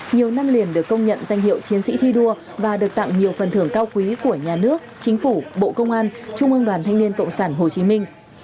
nhiều năm liền được công nhận danh hiệu chiến sĩ thi đua và được tặng nhiều phần thưởng cao quý của nhà nước chính phủ bộ công an trung ương đoàn thanh niên cộng sản hồ chí minh